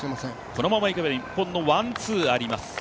このままいけば日本のワン・ツーあります。